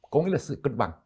có nghĩa là sự cân bằng